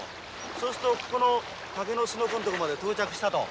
そうするとここの竹のすのこのとこまで到着したと。